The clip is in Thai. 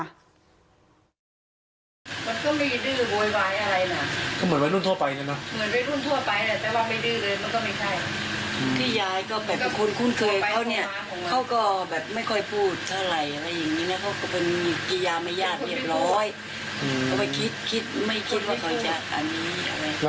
คือเหมือนว่าปกติเขาจะอยู่กับย่าเขาอยู่กับปู่